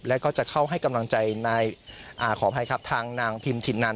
แล้วก็จะเข้าให้กำลังใจนายขออภัยครับทางนางพิมถิ่นนัน